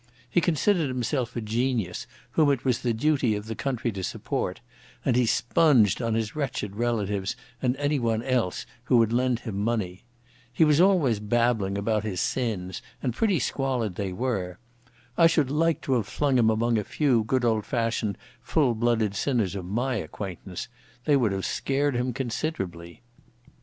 He considered himself a genius whom it was the duty of the country to support, and he sponged on his wretched relatives and anyone who would lend him money. He was always babbling about his sins, and pretty squalid they were. I should like to have flung him among a few good old fashioned full blooded sinners of my acquaintance; they would have scared him considerably.